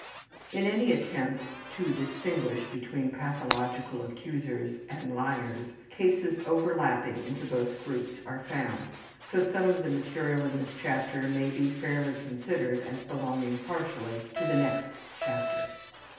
In any attempt to distinguish between pathological accusers and liars, cases overlapping into both groups are found so some of the material in this chapter may be fairly considered as belonging partially to the next chapter.